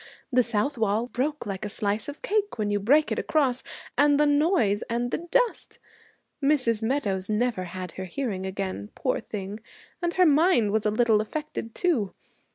The south wall broke like a slice of cake when you break it across and the noise and the dust! Mrs. Meadows never had her hearing again, poor thing, and her mind was a little affected too.